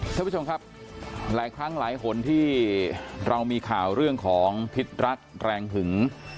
ท่านผู้ชมครับหลายครั้งหลายหนที่เรามีข่าวเรื่องของพิษรักแรงหึง